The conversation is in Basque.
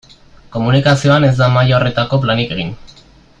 Komunikazioan ez da maila horretako planik egin.